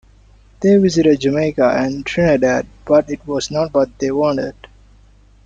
They visited Jamaica and Trinidad, but it was not what they wanted.